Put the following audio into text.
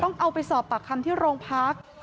ต้องเอาไปสอบปากคันดูรองพัก